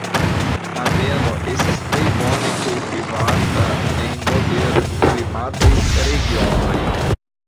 Aveno estas plej bone kultivata en moderklimataj regionoj.